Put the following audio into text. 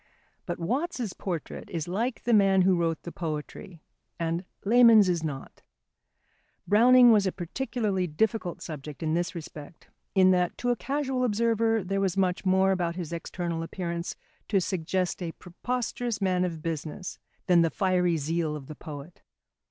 But Watts's portrait is like the man who wrote the poetry, and Lehmann's is not. Browning was a particularly difficult subject in this respect, in that to a casual observer there was much more about his external appearance to suggest a prosperous man of business, than the fiery zeal of the poet.